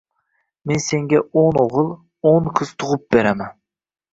Men senga o‘n o‘g‘il, o‘n qiz tug‘ib beraman!